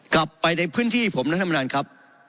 กลับไปในพื้นที่ผมนะท่านประธานครับ